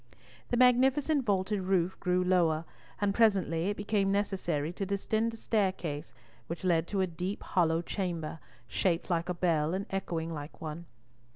The magnificent vaulted roof grew lower, and presently it became necessary to descend a staircase, which led to a deep hollow chamber, shaped like a bell, and echoing like one.